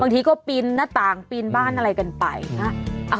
ทีก็ปีนหน้าต่างปีนบ้านอะไรกันไป